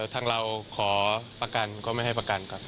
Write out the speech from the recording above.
ทางเราขอประกันก็ไม่ให้ประกันครับ